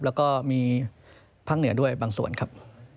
แล้วก็มีภาคเหนือด้วยบางส่วนครับ